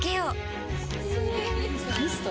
ミスト？